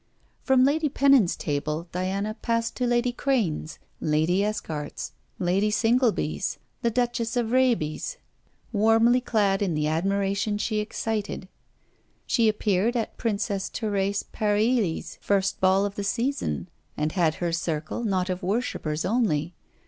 From Lady Pennon's table Diana passed to Lady Crane's, Lady Esquart's, Lady Singleby's, the Duchess of Raby's, warmly clad in the admiration she excited. She appeared at Princess Therese Paryli's first ball of the season, and had her circle, not of worshippers only.